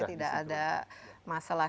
tidak ada masalah